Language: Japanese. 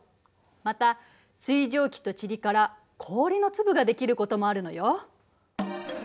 また水蒸気とチリから氷の粒ができることもあるのよ。